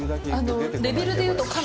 レベルで言うと神！